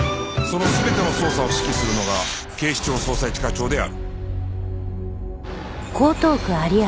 その全ての捜査を指揮するのが警視庁捜査一課長である